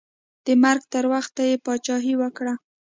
د مرګ تر وخته یې پاچاهي وکړه.